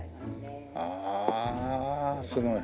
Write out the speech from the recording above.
ああすごい。